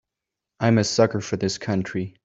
I'm a sucker for this country.